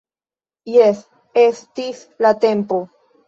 Jes, estis la tempo!